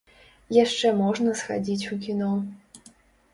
Яшчэ можна схадзіць у кіно.